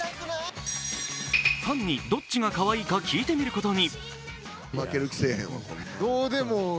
ファンに、どっちがかわいいか聞いてみることに。